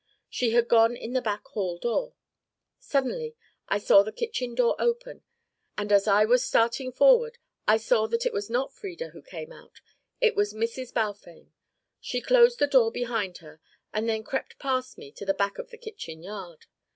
She had gone in the back hall door. Suddenly I saw the kitchen door open, and as I was starting forward, I saw that it was not Frieda who came out. It was Mrs. Balfame. She closed the door behind her, and then crept past me to the back of the kitchen yard.